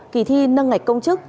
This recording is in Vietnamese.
kỳ thi nâng ngạch công chức